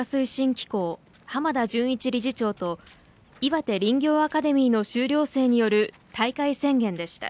機構濱田純一理事長といわて林業アカデミーの修了生による大会宣言でした。